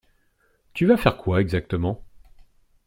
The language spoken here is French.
Tu vas faire quoi exactement?